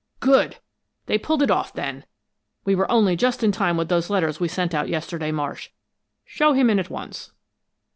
"Good! They pulled it off, then! We were only just in time with those letters we sent out yesterday, Marsh. Show him in at once."